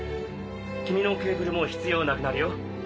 君のケーブルも必要なくなるよ。